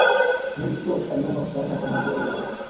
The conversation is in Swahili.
mary stuart aliomba msaada kwa malkia elizabeth